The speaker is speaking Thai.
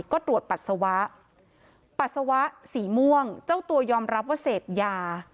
ก็ตรวจปัสสาวะปัสสาวะสีม่วงเจ้าตัวยอมรับว่าเสพยา